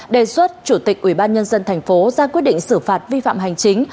đề xuất chủ tịch ủy ban nhân dân thành phố ra quyết định xử phạt vi phạm hành chính